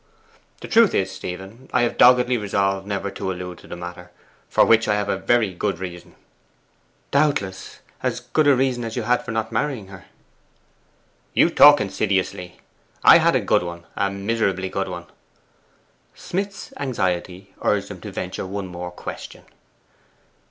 'The truth is, Stephen, I have doggedly resolved never to allude to the matter for which I have a very good reason.' 'Doubtless. As good a reason as you had for not marrying her.' 'You talk insidiously. I had a good one a miserably good one!' Smith's anxiety urged him to venture one more question.